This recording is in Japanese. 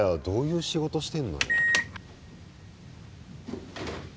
どういう仕事してんのよ。